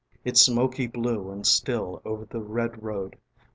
:: It's smoky blue and still over the red road.